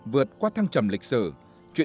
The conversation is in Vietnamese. vượt qua thăng trầm lịch sử